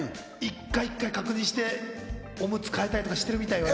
１回１回確認して、オムツ替えたりとかしてるみたいよ。